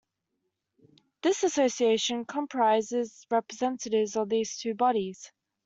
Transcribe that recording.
This association comprises representatives of these two bodies.